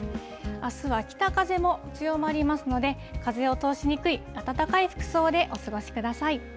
あすは北風も強まりますので、風を通しにくい暖かい服装でお過ごしください。